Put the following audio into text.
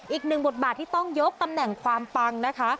อีกหนึ่งบทบาทที่ต้องยกตำแหน่งความปังนะคะ